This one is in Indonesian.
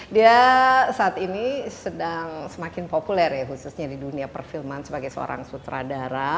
dia saat ini sedang semakin populer ya khususnya di dunia perfilman sebagai seorang sutradara